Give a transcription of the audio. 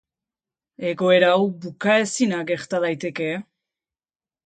Egoera hau bukaezina gerta daiteke.